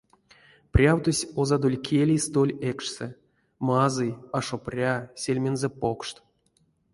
Прявтось озадоль келей столь экшсэ, мазый, ашо пря, сельмензэ покшт.